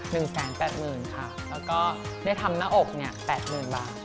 แล้วก็ได้ทำหน้าอก๘๐๐๐๐บาท